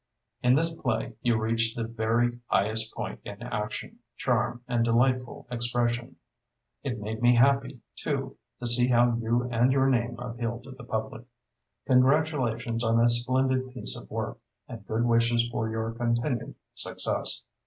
In this play, you reach the very highest point in action, charm and delightful expression. It made me happy, too, to see how you and your name appeal to the public. Congratulations on a splendid piece of work, and good wishes for your continued success.